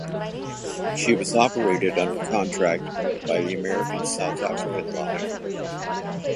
She was operated under contract by the American South African Line.